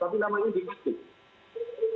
tapi namanya dikasih